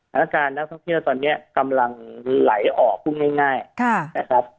ฐานการณ์นักท่องเที่ยวตอนนี้กำลังไหลออกพรุ่งง่ายค่ะนะครับ